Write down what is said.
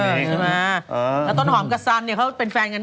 แล้วต้นหอมกับสันเนี่ยเขาเป็นแฟนกันยัง